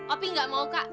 opi gak mau kak